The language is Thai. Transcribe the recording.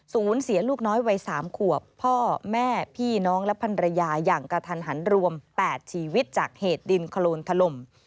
เสียลูกน้อยวัย๓ขวบพ่อแม่พี่น้องและพันรยาอย่างกระทันหันรวม๘ชีวิตจากเหตุดินโครนถล่ม